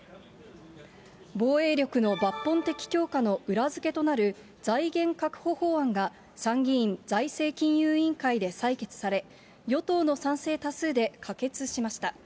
防衛力の抜本的強化の裏付けとなる財源確保法案が、参議院財政金融委員会で採決され、与党の賛成多数で可決しました。